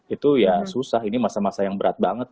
itu ya susah ini masa masa yang berat banget